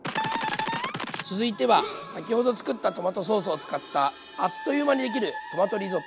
続いては先ほどつくったトマトソースを使ったあっという間にできるトマトリゾット。